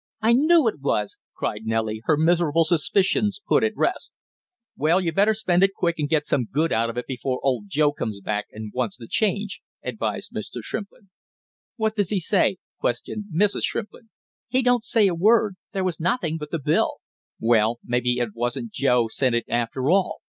"I knew it was!" cried Nellie, her miserable suspicions put at rest. "Well, you'd better spend it quick and get some good of it before old Joe comes back and wants the change!" advised Mr. Shrimplin. "What does he say?" questioned Mrs. Shrimplin. "He don't say a word, there was nothing but the bill." "Well, maybe it wasn't Joe sent it after all!"